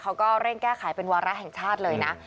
เขาก็เร่งแก้ไขเป็นวาระแห่งชาติเลยนะ